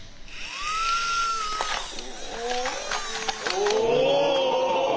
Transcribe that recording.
お！